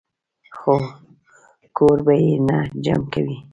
خو کور به ئې نۀ جمع کوئ -